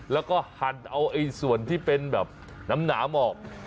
แล้วก็หันเอาส่วนที่เป็นน้ำน้ำออก